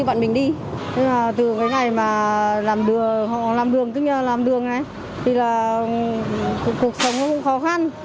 từ cái ngày mà họ làm đường tức là làm đường này thì là cuộc sống nó cũng khó khăn